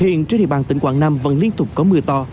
hiện trên địa bàn tỉnh quảng nam vẫn liên tục có mưa to